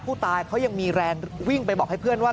ผู้ตายเขายังมีแรงวิ่งไปบอกให้เพื่อนว่า